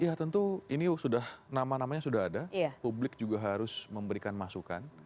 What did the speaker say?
ya tentu ini sudah nama namanya sudah ada publik juga harus memberikan masukan